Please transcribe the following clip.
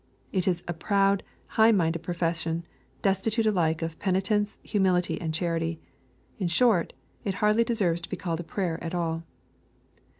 It is a proud, high minded profession, destitute alike rf penitence, humility, and charity. In short, it hardly deserves to be called a prayer at all.